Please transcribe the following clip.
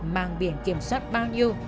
mang biển kiểm soát bao nhiêu